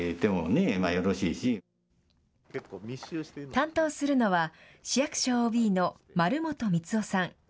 担当するのは市役所ＯＢの丸本光雄さん。